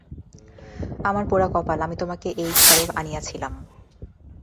আমার পোড়াকপাল, আমি তোমাকে এই ঘরে আনিয়াছিলাম!